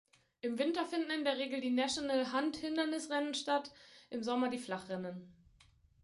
Im Winter finden in der Regel die National Hunt-Hindernisrennen statt, im Sommer die Flachrennen.